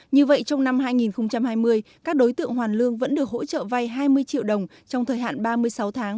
như vậy trong năm hai nghìn hai mươi các đối tượng hoàn lương vẫn được hỗ trợ vay hai mươi triệu đồng trong thời hạn ba mươi sáu tháng